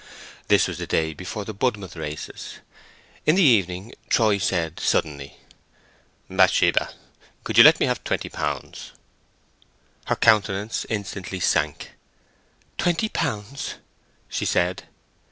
This was the day before the Budmouth races. In the evening Troy said, suddenly— "Bathsheba, could you let me have twenty pounds?" Her countenance instantly sank. "Twenty pounds?" she said.